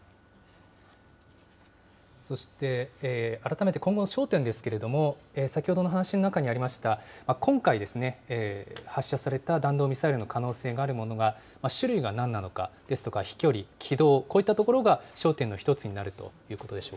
そして改めて、今後の焦点ですけれども、先ほどの話の中にありました、今回発射された弾道ミサイルの可能性があるものが、種類がなんなのかですとか、飛距離、軌道、こういったところが焦点の一つにな